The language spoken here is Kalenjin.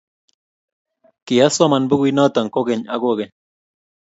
kiasoman bukuit noto kogeny ak kogeny.